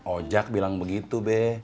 ojak bilang begitu be